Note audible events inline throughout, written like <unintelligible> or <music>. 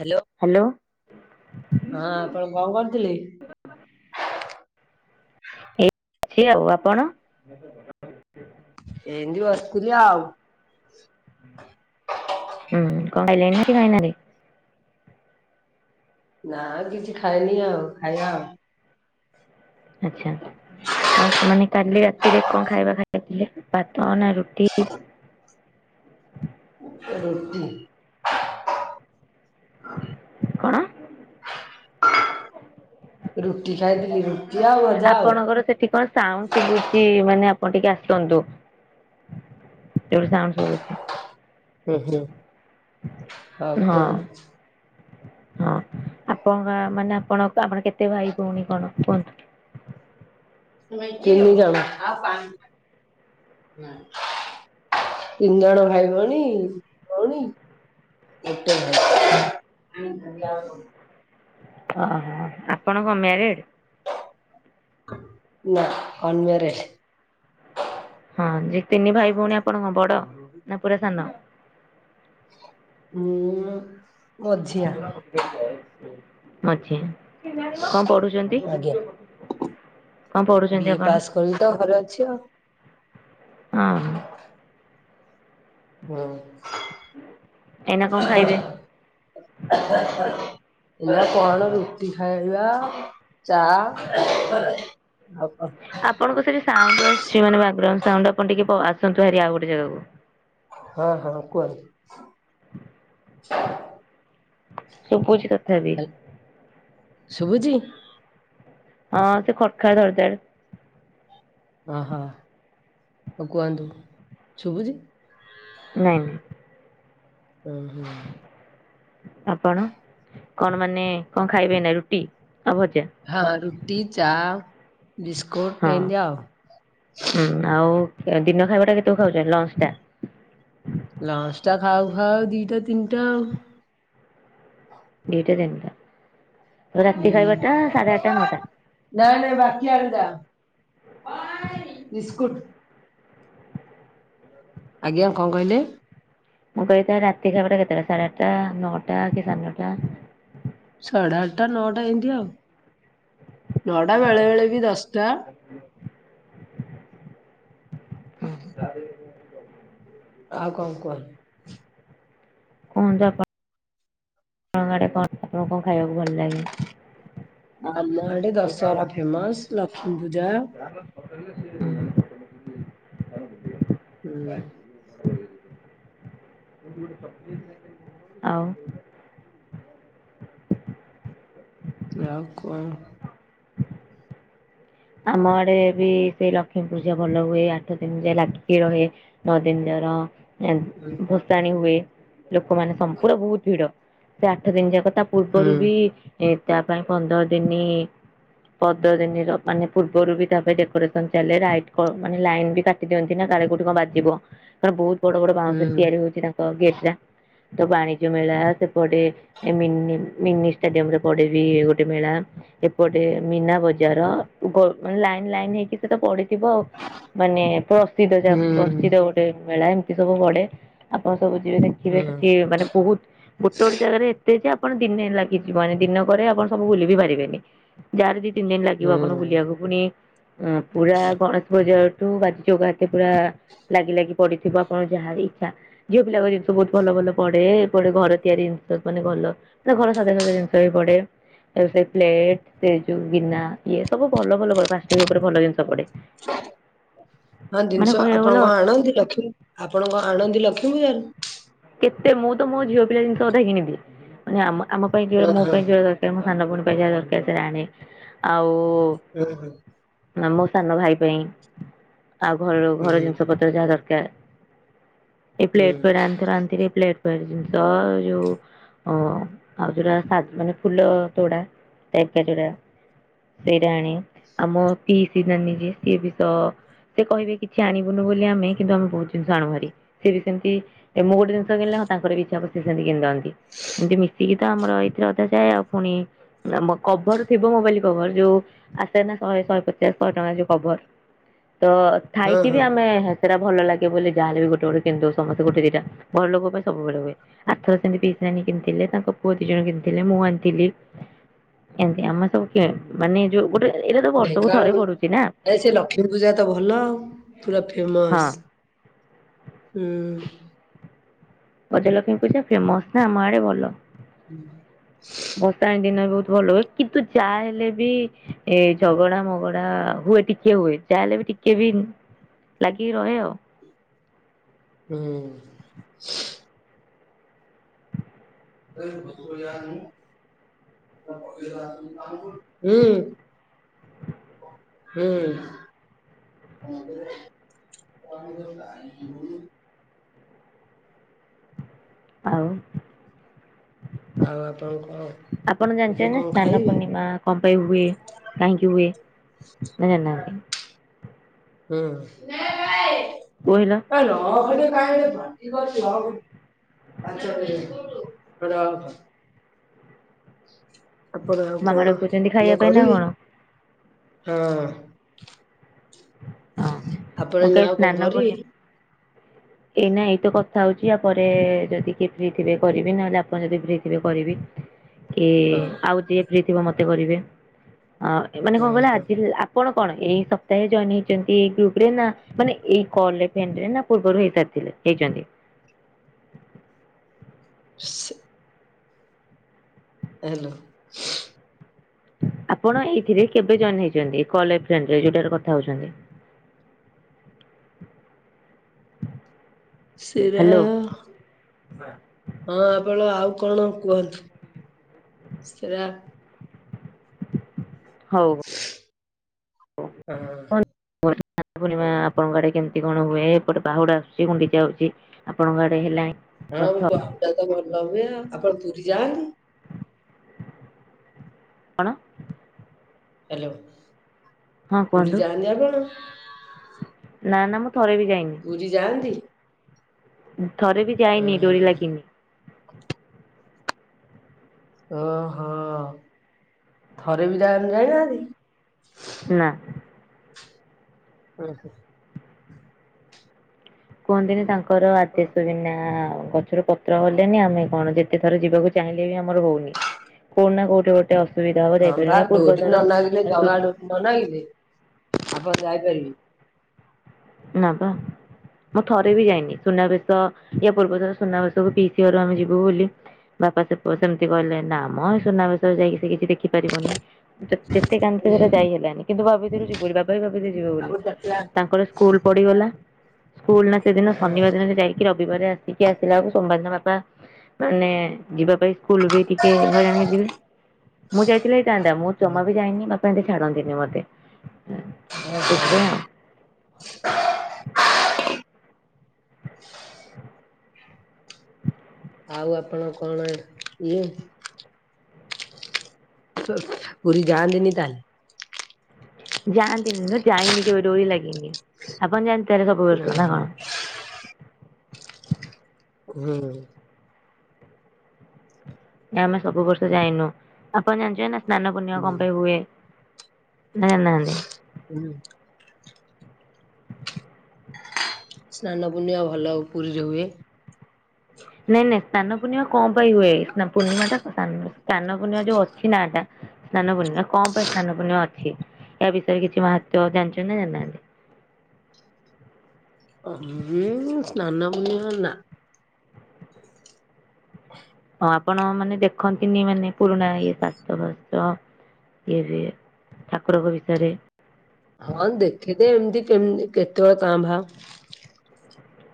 Hello ହଁ ଆପଣ କଣ କରୁଥିଲେ? ଏଇ ଛି ଆଉ ଆପଣ? ହ <inaudible> ଏମିତି ବସିଥିଲି ଆଉ। ହୁଁ କାଇ ଲ ନା କି କାଇ ନ <unintelligible> ନା କିଛି ଖାଇନି ଆଉ ଖାଇଆ ଆଉ। ଆଚ୍ଛା କଣ ମାନେ କାଲି ରାତିରେ କଣ ଖାଇବା ଖାଇ ଇଥିଲେ ଭାତ ନା ରୁଟି କି ର <inaudible> କଣ? ରୁଟି ଖାଇଥିଲି ରୁଟି ଆଉ ଭଜା ଆଉ। ସେଠିକ <inaudible> ସାଉଣ୍ଡ୍ ଶୁଭୁଛି ମାନେ ଆପଣ ଟିକେ ଆସନ୍ତୁ ଯୋଉଠି ସାଉଣ୍ଡ୍ ଶୁଭୁଛି। ଓୁ ହୋ <inaudible> ହଁ। ହଁ ଆପଣଙ୍କ ମାନେ ଆପଣ ଆପଣ କେତେ ଭାଈ ଭଉଣୀ କଣ କୁହନ୍ତୁ? <unintelligible> ତିନି ଜଣ ଭାଇ ଭଉଣୀ ଭଉଣୀ ହଁ <inaudible> ଓହୋ ଆପଣ କଣ ମ୍ୟାରେଡ? ନା ଅନମ୍ୟାରେଡ। ହଁ ଯେ ତିନି ଭାଇ ଭଉଣୀ ଆପଣଙ୍କ ବଡ ନା ପୁରା ସାନ? ମୁଁ ମଝିଆ। ମଝିଆ କଣ ପଢୁଚନ୍ତି? ଆଜ୍ଞା ବିଏ ପାସ୍ କରିକି ତ ଘରେ ଅଛି ଆଉ। ହଁ। ଏଇନା କଣ ଖାଇବେ? ହଁ। ହେଲା କଣ ରୁଟି ଖାଇବା ଚା ଆଉ କଣ ଆପଣଙ୍କ ସେଠି ସାଉଣ୍ଡ୍ ଆସୁଚି ମାନେ ବ୍ୟାଗ୍ରାଉଣ୍ଡ୍ ସାଉଣ୍ଡ୍ ଆପଣ ଟିକେ ପ ଆସନ୍ତୁ ହାରି ଆଉ ଗୋଟେ ଜାଗାକୁ। ହଁ ହଁ କୁହନ୍ତୁ। ଶୁବୁଚି ଆ ଶୁବୁଚି? ହଁ ସେ ଖଡ଼ ଖାଡେ ଧଡ଼ ଧଡ଼େ। ଅହ ହଉ କୁହନ୍ତୁ ଶୁବୁଚି? ନାଇଁ ନାଇଁ। ଉଁ ହୁଁ। ଆପଣ କଣ ମାନେ କଣ ଖାଇବେ ନା ରୁଟି ଆଉ ଭଜା? ହଁ ରୁଟି ଚା ବିସ୍କୁଟ ହଁ। ଏନ୍ତି ଦିଅ। ହୁଁ ଆଉ ଦିନ ଖାଇବା ଟା କେତେ ଖାଉଚ ଲଞ୍ଚ ଟା? ଲଞ୍ଚ ଟା ଖାଉ ଖାଉ ଦିଟା, ତିନିଟା ଆଉ। ଦିଟା ତିନିଟା ରାତି ଖାଇବାଟା ସାଢେ ଆଠଟା ନଅଟା? ନା ନା ବାକି ଆଣ ଥା ବିସ୍କୁଟ। ଆଜ୍ଞା କଣ କହିଲେ? ମୁଁ କହିଲି ତାହେଲେ ରାତି ଖାଇବାଟା କେତେବେଳେ ସାଢ଼େ ଆଠଟା ନଅଟା କି ସାେ ନଅଟା? ସାଢେ ଆଠଟା ନଅଟା ଏମିତି ଆଉ ନଅଟା ବେଳେ ବେଳେ ବି ଦଶଟା। ହ ତା <unintelligible> ଆଉ କଣ କୁହ। କୁହନ୍ତୁ ଆପ <unintelligible> ଆପଣଙ୍କୁ କଣ ଖାଇବାକୁ ଭଲ ଲାଗେ? ଆମ ଆଡେ ଦଶହରା ଫେମସ୍ ଲକ୍ଷ୍ମୀ ପୂଜା। ଉଁ ହୁଁ। ଆଉ ଆଉ କଣ ଆମ ଆଡେ ବି ସେଇ ଲକ୍ଷ୍ମୀ ପୂଜା ଭଲ ହୁଏ ଆଠ ଦିନ ଯାଏ ଲାଗିକି ରହେ। ନଅ ଦିନ ଯର ଏନ୍ତି ଭସାଣି ହୁଏ ଲୋକମାନେ ସମ୍ପୂର୍ଣ ବହୁତ ଭିଡ ସେ ଆଠ ଦିନ ଯାକ ତା ପୂର୍ବରୁ ହୁଁ। ବି ଏ ତା ପାଇଁ ପନ୍ଦର ଦିନ ପନ୍ଦର ଦିନ ର ମାନେ ପୂର୍ବରୁ ବି ତାପରେ ଡେକୋରେସନ୍ ଚାଲେ ରାଇଟ୍ ପ ମାନେ ଲାଇନ୍ ବି କାଟି ଦିଅନ୍ତି ନା କାଳେ କୋଉଠି କଣ ବାଜିବ। କାରଣ ବହୁତ ବଡ ବଡ ବାଉଁଶରେ ହୁଁ ତିଆରି ହଉଛି ତାଙ୍କ ଗେଟ୍ ଟା। ତ ବାଣିଜ୍ୟ ମେଳା, ସେପଟେ ମିନି ମିନି ଷ୍ଟାଡିୟମ ରେ ପଡେବି ଗୋଟେ ମେଳା। ଏପଟେ ମୀନା ବଜାର। <unintelligible> ମାନେ ଲାଇନ୍ ଲାଇନ୍ ହେଇକି ସିଏ ତ ପଡିଥିବ ଆଉ। ମାନେ ପ୍ରସିଦ୍ଧ ଯା ହୁଁ ପ୍ରସିଦ୍ଧ। ମେଳା ଏମିତି ସବୁ ପଡେ। ଆପଣ ସବୁ ଯିବେ ଦେଖିବେ ହୁଁ ସେଠି ମାନେ ବହୁତ ଗୋଟେ ଗୋଟେ ଜାଗାରେ ଏତେ ଯେ ଆପଣ ଦିନେ ଲାଗିଯିବ। ମାନେ ଦିନକରେ ଆପଣ ସବୁ ବୁଲି ବି ପାରିବେନି। ଯାହା ହେଲେ ଦି, ତିିନି ଦିନ ଲାଗିବ। ହୁଁ। <unintelligible> ପୁରା ଗଣେଶ ପୂଜାଠୁ <unintelligible> ବାଜି ଚକାେ ପୁରା ଲାଗି ଲାଗି ପଡିଥିବ ଆପଣଙ୍କ ଯାହାର ଇଚ୍ଛା। ଝିଅ ପିଲାଙ୍କ ଜିନିଷ ବହୁତ ଭଲ ଭଲ ପଡେ, ପୁଣି ଘର ତିଆରି ଜିନିଷ ମାନେ ଭଲ ଘର ସାଧାରଣ ଜିନିଷ ବି ପଡେ, ସେ ପ୍ଲେଟ, ସେ ଯୋଉ ଗିନା। ଇଏ ସବୁ ଭଲ ଭଲ ହୁଏ। ପ୍ଲାଷ୍ଟିକ୍ ଉପରେ ଭଲ ଜିନିଷ ପଡେ। <unintelligible> ଆଉ ମାନେ ଜିନିଷ କହିବାକୁ ଆପଣ ଗଲେ କଣ ଆଣନ୍ତି। ଆପଣ କଣ ଆଣନ୍ତି ଲକ୍ଷ୍ମୀ ପୂଜାରୁ? କେତେ? ମୁଁ ତ ମୋ ଝିଅ ପିଲା ଜିନିଷ ଅଧା କିିଣିବି। ମାନେ ଆମ ଆମ ପାଇଁ କିଣିବି, ହଁ ମୋ ହଁ ପାଇଁ କିଣିବାର ତ ମୁଁ ସାନ ଭଉଣୀ ପାଇଁ ଯାହା ଦରକାର ସେଟା ଆଣେ। ଆଉ ହୁଁ ଆ, ମୋ ସାନ ଭାଇ ପାଇଁ। ଆଉ ଘରୁ ହୁଁ ହୁଁ ଘର ଜିନିଷ ପତ୍ର ଯାହା ଦରକାର। ଏ ହୁଁ ପ୍ଲେଟ <unintelligible> ଆଣିଥ ଆଣି ଏ ପ୍ଟ ଜିନିଷ ଯୋଉ ଓ, ଆଉ ଯୋଉଟା ସା ମାନେ ଫୁଲ ତୋଡା। <unintelligible> ଯୋଡା ସେଇଟା ଆଣେ। ଆମ ପି ସି ନାନୀ ଯିଏ? ସିଏ ବି ତ ସେ କହିବେ କିଛି ଆଣିବୁନୁ ବୋଲି ଆମେ। କିନ୍ତୁ ଆମେ ବହୁତ ଜିନିଷ ଆଣୁ ଭାରି। ସେ ବି ସେମିତି ମୁଁ ଗୋଟେ ଜିନି ଷ କିିଣିଲେ, ହଁ ତାଙ୍କର ବି ଇଚ୍ଛା ହେବ ସେମିତି କିିଣି ଦିଅନ୍ତି। ଏମିତି ମିଶିକି ତ ଆମର ଏଇଥିରେ ଅଧା ଯାଏ। ଆଉ ପୁଣି କଭର ଥିବ ମୋବାଇଲ କଭର। ଯୋଉ ଆସେ ନା ଶହେ ଶହେ ପଚାଶ ଶହେ ଟଙ୍କା ଯୋଉ କଭର। ତ ହଁ ଥାଇକି ବି ହଁ ଆମେ ସେଟା ଭଲ ଲାଗେ ବୋଲି ଯାହାେଲେ ବି ଗୋଟେ ଗୋଟେ କିଣି ଦେଉ। ସମସ୍ତେ ଗୋଟେ ଦି ଟା। ଘରଲୋକ ପାଇଁ ସବୁବେଳେ ହୁଏ। ଆର ଥର ସେମିତି ପିସି ନାନୀ କିଣିଥିଲେ। ତାଙ୍କ ପୁଅ ଦି ଜଣ କିଣିଥିଲେ। ମୁଁ ଆଣିଥିଲି। ଏମତି ଆମେ ସବୁ କିଣୁ। ମାନେ ଯୋଉ ଗୋଟେ ଏଇଟା ତ ବର୍ଷକୁ ଥରେ ଢେଙ୍କାନାଳ, ପଡୁଛି ନା ହେ ସେ ଲକ୍ଷ୍ମୀ ପୂଜା ତ ଭଲ ଆଉ। ପୁରା ହଁ। ଫେମସ। ହୁଁ। ଗଜଲକ୍ଷ୍ମୀ ପୂଜା ଫେମସ ନା? ଆମ ଆଡେ ଭଲ। <inaudible> ଭସାଣି ଦିନ ବି ବହୁତ ଭଲ ହୁଏ। କିନ୍ତୁ ଯାହା ହେଲେ ବି ଏ ଝଗଡା ମଗଡା ହୁଏ ଟିକେ ହୁଏ। ଯାହାହେଲେ ବି ଟିକେ ବି ଲାଗିକି ରହେ ଆଉ। ହୁଁ। <unintelligible> ହୁଁ ଉଁ। <unintelligible> <unintelligible> ଆଉ ଆପଣ କଣ ଆପଣ ଏବେ ଜାଣିଛନ୍ତି ନା କଣ ସ୍ନାନ ଖାଇବେ? ପୂର୍ଣ୍ଣିମା? କଣ ପାଇଁ ହୁଏ? କାହିଁକି ହୁଏ? ନା ଜାଣିନାହାନ୍ତି? ହୁଁ। <unintelligible> କହିଲା <inaudible> <unintelligible> ଆପଣ ଆଉ କଣ ମାମା ଡାକୁଛନ୍ତି ଏଇନା ଖାଇବା ପାଇଁ ନା କରିବେ? କଣ? ହଁ ହଁ। ହଁ ମୁଁ ଆପଣ କାହିଁ ଯାଉ <unintelligible> ସ୍ନାନ ଭରି? ପୂର୍ଣ୍ଣିମା ଏଇ ନା ଏଇତ କଥା ହଉଛି। ପରେ ଯଦି କିଏ ଫ୍ରି ଥିବେ କରିବି। ନହେଲେ ଆପଣ ଯଦି ଫ୍ରି ଥିବେ କରିବି। କି ହଉ ଆଉ ଯିଏ ଫ୍ରି ଥିବ ମତେ କରିବେ। ଅ ମାନେ ହୁଁ କଣ କହିଲେ ହୁଁ ଆଜି ଆପଣ କଣ ଏଇ ସପ୍ତାହରେ ଜଏନ ହେଇଛନ୍ତି ଏଇ ଗ୍ରୁପ ରେ ନା? ମାନେ ଏଇ କଲ ଏ ଫ୍ରେଣ୍ଡ ରେ ପୂର୍ବରୁ ହେଇ ସାରିଥିଲେ। ହେଇଛନ୍ତି। ସେ ହ୍ୟାଲୋ। ଆପଣ ଏଇଥିରେ କେବେ ଜଏନ ହେଇଛନ୍ତି? କଲ ଏ ଫ୍ରେଣ୍ଡ ରେ ଯୋଉଟରେ କଥା ହଉଛନ୍ତି? ସେରା ହ୍ୟାଲୋ ହଁ। ଆପଣ ଆଉ କଣ କୁହନ୍ତୁ? ସେରା ହୋଉ। ହଁ। <unintelligible> ପୂଣ୍ଣିମା ଆପଣଙ୍କ ଆଡେ କେମିତି କଣ ହୁଏ? ଏପଟେ ବାହୁଡା ଆସୁଛି ଗୁଣ୍ଡିଚା ଆଉଛି। ଆପଣଙ୍କ ଆଡେ ହେଲାଣି? ହଁ ରଥ ବାହୁଡ଼ା ତ ଭଲ ହୁଏ। ଆପଣ ପୁରୀ ଯାଆନ୍ତି? କଣ? ହାଲୋ ହଁ ପୁରୀ କୁହନ୍ତୁ ଯାନ୍ତି ଆପଣ? ନା ନା ମୁଁ ଥରେ ବି ଯାଇନି। ପୁରୀ ଯାଆନ୍ତି? ଥରେ ବି ଉଁ ଯାଇନି ହୁଁ ଡୋରି ଲାଗିନି। ଓହୋ ଥରେ ବି ଯା ଯାଇନାହାନ୍ତି? ନା। ଉ ହୁଁ। କୁହନ୍ତି ନି ତାଙ୍କର ଆଦେସ୍ୱରୀ ନା <unintelligible> ପତ୍ର ହଲେନି ଆମେ କଣ ଯେତେ ଥର ଯିବାକୁ ଚାହିଁଲେ ବି ଆମର ହଉନି କୋଉଠି ନା କୋଉଠି ଗୋଟେ କେତେ ଅସୁବିଧା ହବ ହଁ ବା ଯାଇପାରିନି ଇଆ ପୂର୍ବ ଡୋରି ନ ଥର ନାଗିଲେ ଜଗା ଡୋରି ନ ନାଗିଲେ ଆପଣ ଯାଇପାରିବେ? ନା ପା। ମୁଁ ଥରେ ବି ଯାଇନି ସୁନାବେଶ ୟା ପୂର୍ବଥର ସୁନାବେଶକୁ ପିଇସୀ ଘରକୁ ଆମେ ଯିବୁ ବୋଲି ବାପା ସେ ସେମିତି କହିଲେ ନା ମ ସୁନାବେଶରେ ଯାଇକି ସେ କିଛି ଦେଖି ପାରିବନି। ଯେତେ କାନ୍ଦେ ସେଟା ଯାଇ ହେଲାନି କିନ୍ତୁ ଭାବିଥିଲୁ ଯିବ ବୋଲି ବାବା ଭାବିଥିଲେ ଯିବ ବୋଲି ଆଉ ତାଙ୍କର ସ୍କୁଲ ପଢିଗଲା ସ୍କୁଲ ନା ସେଦିନ ଶନିବାର ଦିନ ସେ ଯାଇକି କି ରବିବାର ଆସିକି ଆସିଲା ବେଳକୁ ସୋମବାର ଦିନ ବାପା। ମାନେ ଯିବା ପାଇଁ ସ୍କୁଲ ବି ଟିକେ ହଇରାଣ ହେଇଯିବେ ମୁଁ ଯାଇଥିଲି ଯାଇନ୍ତା ମୁଁ ଜମା ବି ଯାଇନି ବାପା ଏମିତି ଛାଡ଼ନ୍ତିନି ମତେ ସେଥିପାଇଁ ଆଉ। ଆଉ ଆପଣ କଣ ଇଏ ପୁରୀ ଯାହାନ୍ତିନି ତାହେଲେ? ଯାଆନ୍ତିନି ନୁହେଁ ଯାଇନି କେବେ ଡୋରି ଲାଗିନି ଆପଣ ଯାଆନ୍ତି ତାହେଲେ ସବୁ ବର୍ଷ ନା କଣ? ହୁଁ। ଆମେ ସବୁ ବର୍ଷ ଯାଇନୁ ଆପଣ ଜାଣିଛେ ନା ସ୍ନାନ ପୂର୍ଣ୍ଣିମା ହୁଁ। କଣ ପାଇଁ ହୁଏ? ଜାଣିନାହାନ୍ତି। ହୁଁ। ସ୍ନାନ ପୂଣ୍ଣିମା ଭଲ ପୁରୀରେ ହୁଏ। ନାଇଁ ନାଇଁ ସ୍ନାନ ପୂର୍ଣ୍ଣିମା କଣ ପାଇଁ ହୁଏ? ନା ପୂର୍ଣ୍ଣିମା ଟା ସାନ ପୂର୍ଣ୍ଣିମା ଯୋଉ ଅଛି ନାଆ ଟା। ସ୍ନାନ ପୂର୍ଣ୍ଣିମା କଣ ପାଇଁ ସ୍ନାନ ପୂର୍ଣ୍ଣିମା ଅଛି? ୟା ବିଷୟରେ କିଛି ମାହତ୍ଵ ଜାଣିଛନ୍ତି ନା ଜାଣିନାହାନ୍ତି? ହୁଁ ସ୍ନାନ ପୂର୍ଣ୍ଣିମା ନା। ହଁ ଆପଣ ମାନେ ଦେଖନ୍ତିନି ମାନେ ପୁରୁଣା ଇଏ <unintelligible> ଇଏ ବି ଠାକୁରଙ୍କ ବିଷୟରେ। ହଁ ଦେଖିଦେ ଏମିତି କେମ କେତେବେଳେ କାଁ ଭାଁ।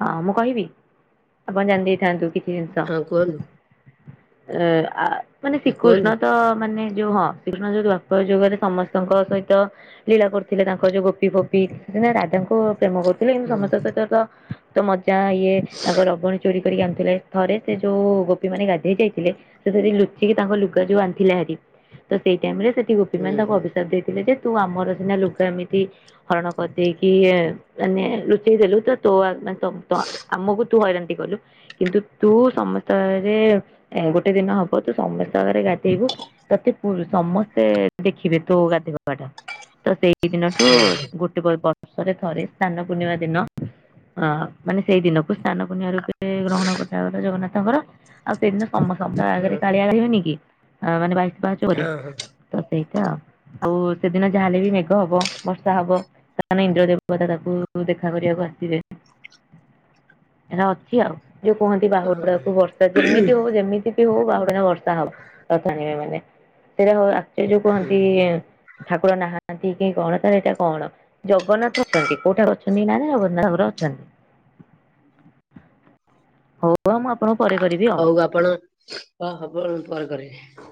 ହଁ ମୁଁ କହିବି ଆପଣ ଜାଣିଦେଇଥାନ୍ତୁ କିଛି ଜିନିଷ। ହଁ କୁହନ୍ତୁ ଏ ଆ ମାନେ ଶ୍ରୀକୃଷ୍ଣ କୁହନ୍ତୁ। ତ ମାନେ ଯୋଉ ହଁ। ଶ୍ରୀକୃଷ୍ଣ ଯୋଉ ଦ୍ଵାପର ଯୁଗରେ ସମସ୍ତଙ୍କ ସହିତ। ଲୀଳା କରୁଥିଲେ ତାଙ୍କ ଯୋଉ ଗୋପି ଫୋପି ସେ <unintelligible> ରାଧାଙ୍କୁ ପ୍ରେମ କ ଥିଲେ କିନ୍ତୁ ହୁଁ ସମସ୍ତଙ୍କ ସହିତ ତ ତ ମଜା ଇଏ ତାଙ୍କ ଲବଣି ଚୋରି କରିକି ଆଣୁଥିଲେ ଥରେ ସେ ଯୋଉ ଗୋପୀ ମାନେ ଗାଧେଇ ଯାଇଥିଲେ। ସେ ସେଠି ଲୁଚିକି ତାଙ୍କ ଲୁଗା ଯୋଉ ଆଣିଥିଲା ହାରି ତ ସେଇ ଟାଇମରେ ସେଠି ଗୋପୀ ମାନେ ହୁଁ ତାଙ୍କୁ ହୁଁ ଅଭିଷାପ ଦେଇଥିଲେ ଯେ। ତୁ ଆମର ସିନା ଲୁଗା ଏମିତି। ହରଣ କରିଦେଇକି ଏ ମାନେ ଲୁଚେଇ ଦେଲୁ ତ ତୋ ଆ ମାନେ ତମ ତ ଆମକୁ। ତୁ ହଇରାଣ ଟି କଲୁ। କିନ୍ତୁ ତୁ ସମସ୍ତଙ୍କ ଆଗରେ ଏ ଗୋଟେ ଦିନ ହବ ତୁ ସମସ୍ତଙ୍କ ଆଗରେ ଗାଧେଇବୁ। ତତେ ପୁ ସମସ୍ତେ ଦେଖିବେ ତୋ ଗାଧୋଇବା ଟା ତ ସେଇ। ଇ ଦିନଠୁ ଗୋଟେ ବ-ବର୍ଷରେ ଥରେ ସ୍ନାନ ପୂର୍ଣ୍ଣିମା ଦିନ ଅ। ମାନେ ସେଇ ଦିନକୁ ସ୍ନାନ ପୂର୍ଣ୍ଣିମା ରୂପେ ଗ୍ରହଣ କରାଗଲା ଜଗନ୍ନାଥଙ୍କର। ଆଉ ସେଇଦିନ ସମସ୍ତଙ୍କ ହୁଁ ଆଗରେ କାଳିଆ ଗାଧେଇବେନି କି ଆ ମାନେ ବାଇଶି ପାହଚରେ। ହଁ ହଁ। ତ ସେଇଟା ଆଉ ସେଦିନ ଯାହାହେଲେ ବି ମେଘ ହବ ବର୍ଷା ହବ। ତାନେ ଇନ୍ଦ୍ର ଦେବତା ତାକୁ ଦେଖା କରିବାକୁ ଆସିବେ। ଏଇରା ଅଛି ଆଉ ଯୋଉ କୁହନ୍ତି ହଁ ବାହୁଡାକୁ ବର୍ଷା ଯେମିତି ହବ ଯେମିତି। ହଉ ବାହୁଡ଼ାରେ ବର୍ଷା ହବ ରଥ ଟାଣିବେ ମାନେ ସେଇଟା ହ ଆକ୍ଚୁ ଯୋଉ କୁହନ୍ତି। ଠାକୁର ନାହାନ୍ତି କେହି କଣ ତାହାଲେ ଏଇଟା କଣ। ଜଗନ୍ନାଥ ଅଛନ୍ତି କୋଉ ଠାକୁର ଅଛନ୍ତି କି ନାହାନ୍ତି ଜଗନ୍ନାଥ ଠାକୁର ଅଛନ୍ତି। ହଉ ଆ ମୁଁ ଆପଣଙ୍କୁ ପରେ କରିବି ଆଉ। ହଉ ଆପଣ ଓ ଆପଣ ପରେ କରିବେ।